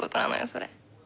それ。